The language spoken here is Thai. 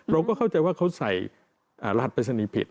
เราก็เข้าใจว่าเขาใส่รัสปริศนีย์ผิด